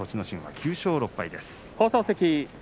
心は９勝６敗です。